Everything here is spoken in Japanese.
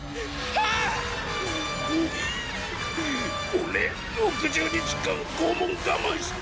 俺６０日間拷問我慢してる。